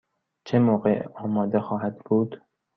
چه موقع آماده خواهد بود؟